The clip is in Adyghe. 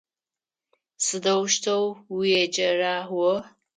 Сыдэущтэу уеджэра о?